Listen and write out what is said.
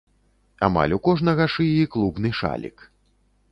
Амаль у кожнага шыі клубны шалік.